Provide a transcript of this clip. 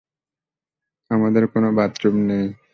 আমাদের কোনো বাথরুম নেই।